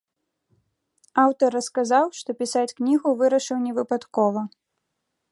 Аўтар расказаў, што пісаць кнігу вырашыў невыпадкова.